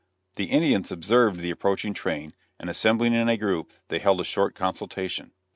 The Indians observed the approaching train, and assembling in a group they held a short consultation.